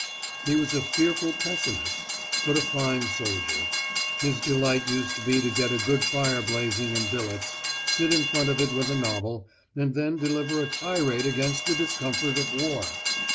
He was a fearful pessimist, but a fine soldier. His delight used to be to get a good fire blazing in billets, sit in front of it with a novel, and then deliver a tirade against the discomfort of war!